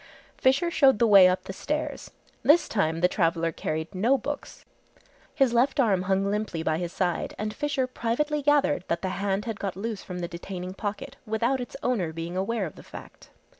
Fisher showed the way up the stairs. This time the traveller carried no books. His left arm hung limply by his side and Fisher privately gathered that the hand had got loose from the detaining pocket without its owner being aware of the fact.